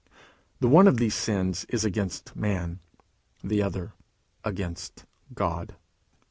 The one of these sins is against man; the other against God.